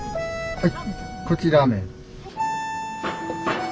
はい。